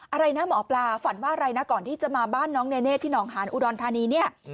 อะไรนะหมอปลาฝันว่าอะไรนะก่อนที่จะมาบ้านน้องเนเน่ที่หนองหานอุดรธานีเนี่ย